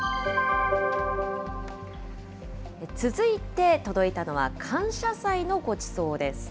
続いて届いたのは、感謝祭のごちそうです。